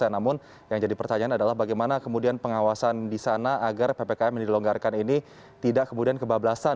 namun yang jadi pertanyaan adalah bagaimana kemudian pengawasan di sana agar ppkm yang dilonggarkan ini tidak kemudian kebablasan